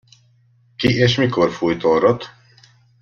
Ki és mikor fújt orrot?